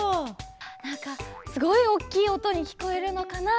なんかすごいおっきいおとにきこえるのかなあっておもって。